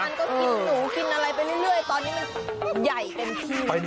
มันก็กินหนูกินอะไรไปเรื่อยตอนนี้มันใหญ่เต็มที่